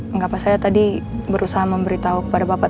enggak apa saya tadi berusaha memberitahu kepada bapak